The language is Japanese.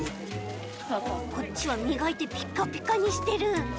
こっちはみがいてピッカピカにしてる。